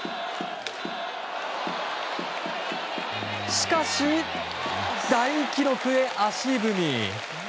しかし、大記録へ足踏み。